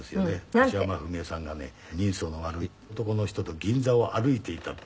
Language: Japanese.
「樫山文枝さんがね人相の悪い男の人と銀座を歩いていた」って。